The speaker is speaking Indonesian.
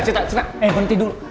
eh cita cita cita eh berhenti dulu